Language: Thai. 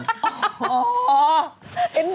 จะมาเกล้าซื้อของกัน